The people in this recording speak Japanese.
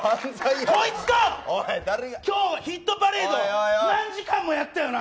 こいつと今日、「ヒットパレード」何時間もやってたよな！